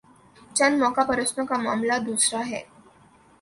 چند موقع پرستوں کا معاملہ دوسرا ہے۔